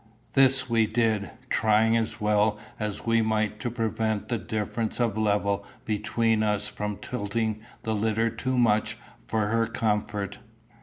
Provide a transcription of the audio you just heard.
This we did, trying as well as we might to prevent the difference of level between us from tilting the litter too much for her comfort.